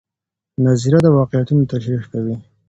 نظریه د واقعیتونو تشریح کوي.